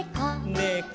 「ねこ」